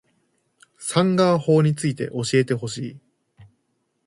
サンガ―法について教えてほしい